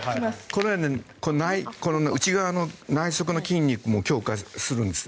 これは内側の内側の筋肉も強化するんです。